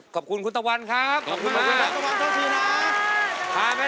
ขอบคุณคุณตะวันครับขอบคุณมากขอบคุณตะวันเท่าที่นะ